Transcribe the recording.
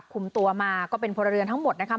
คุมตัวมาก็เป็นพลเรือนทั้งหมดนะคะ